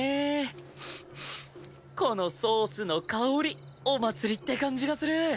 このソースの香りお祭りって感じがする！